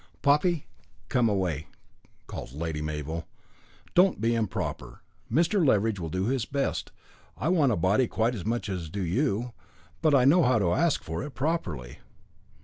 "Poppy, come away," called Lady Mabel. "Don't be improper. Mr. Leveridge will do his best. I want a body quite as much as do you, but I know how to ask for it properly."